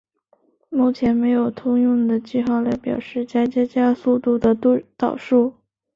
目前没有通用的记号来表示加加加速度的导数。